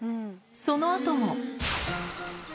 そのあとも。